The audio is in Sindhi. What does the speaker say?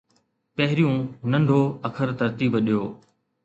پهريون ننڍو اکر ترتيب ڏيو